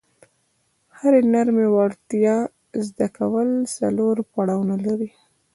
د هرې نرمې وړتیا زده کول څلور پړاونه لري.